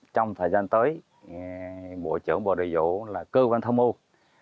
trong thời gian tới bộ trưởng bộ nội vụ là cơ quan tham mưu